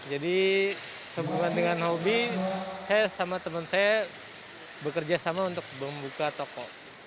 jadi sebanding dengan hobi saya sama temen saya bekerja sama untuk membuka toko